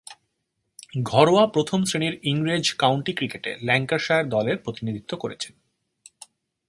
ঘরোয়া প্রথম-শ্রেণীর ইংরেজ কাউন্টি ক্রিকেটে ল্যাঙ্কাশায়ার দলের প্রতিনিধিত্ব করেছেন।